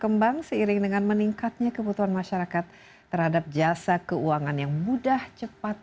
kembang seiring dengan meningkatnya kebutuhan masyarakat terhadap jasa keuangan yang mudah cepat